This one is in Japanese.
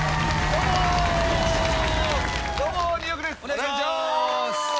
お願いします。